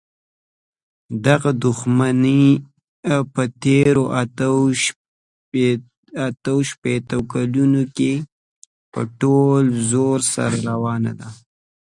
دغه دښمني په تېرو اته شپېتو کالونو کې په ټول زور سره روانه ده.